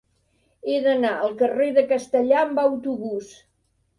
He d'anar al carrer de Castellar amb autobús.